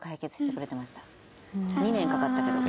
２年かかったけど。